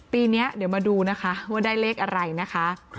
ปีนี้เดี๋ยวมาดูนะคะว่าได้เลขอะไรนะคะ